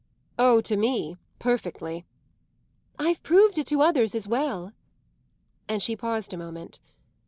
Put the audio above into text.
"Oh, to me, perfectly." "I've proved it to others as well." And she paused a moment.